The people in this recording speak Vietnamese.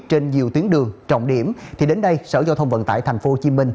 trên nhiều tuyến đường trọng điểm thì đến đây sở giao thông vận tải tp hcm